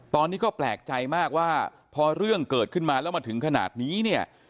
ตอนนี้ก็แปลกใจมากว่าพอเรื่องเกิดขึ้นมาแล้วมาถึงขนาดนี้เนี่ย